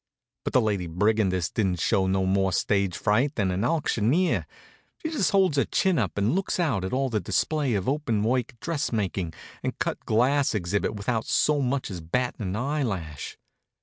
But the Lady Brigandess didn't show no more stage fright than an auctioneer. She just holds her chin up and looks out at all that display of openwork dressmaking and cut glass exhibit without so much as battin' an eyelash.